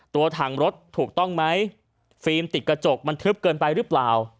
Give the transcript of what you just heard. ตัวถังรถถูกต้องไหมฟิล์มติดกระจกมันทึบเกินไปหรือเปล่า